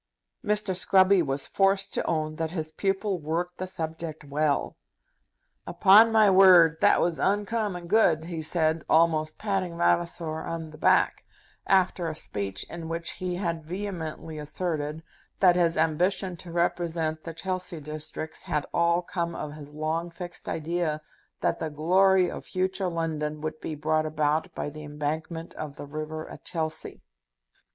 Mr. Scruby was forced to own that his pupil worked the subject well. "Upon my word, that was uncommon good," he said, almost patting Vavasor on the back, after a speech in which he had vehemently asserted that his ambition to represent the Chelsea districts had all come of his long fixed idea that the glory of future London would be brought about by the embankment of the river at Chelsea.